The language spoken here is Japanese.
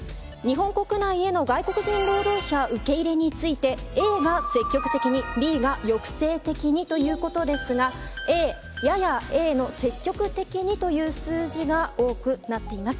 日本国内での外国人労働者受け入れについて、Ａが積極的に、Ｂが抑制的にということですが、Ａ、ややＡの積極的にという数字が多くなっています。